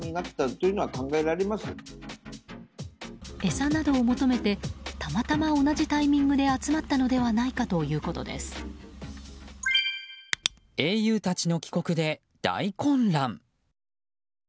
餌などを求めてたまたま同じタイミングで集まったのではないかということです。